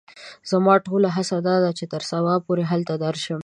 زما ټوله هڅه دا ده چې تر سبا پوري هلته درشم.